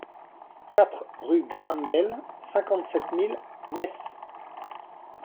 quatre rue Graham Bell, cinquante-sept mille Metz